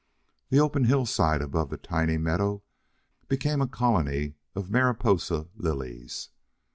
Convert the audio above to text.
The open hillside above the tiny meadow became a colony of Mariposa lilies.